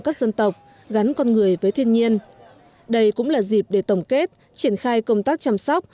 các dân tộc gắn con người với thiên nhiên đây cũng là dịp để tổng kết triển khai công tác chăm sóc